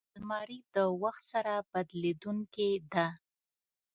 الماري د وخت سره بدلېدونکې ده